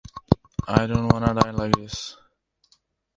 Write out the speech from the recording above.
I don't want to die like this.